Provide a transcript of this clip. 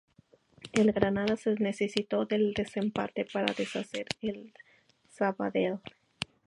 El Granada necesitó del desempate para deshacerse del Sabadell.